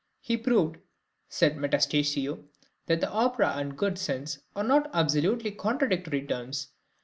He proved, said Metastasio, that the opera and good sense are not absolutely contradictory terms.